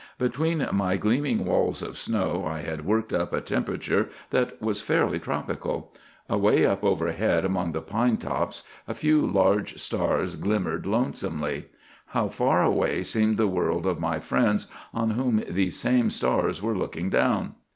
"Between my gleaming walls of snow I had worked up a temperature that was fairly tropical. Away up overhead, among the pine tops, a few large stars glimmered lonesomely. How far away seemed the world of my friends on whom these same stars were looking down!